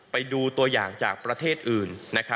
ไปดูตัวอย่างจากประเทศอื่น